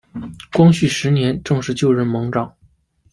光绪十年正式就任盟长。